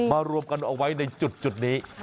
รวมกันเอาไว้ในจุดนี้